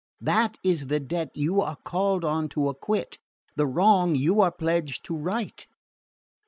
That is the debt you are called on to acquit, the wrong you are pledged to set right."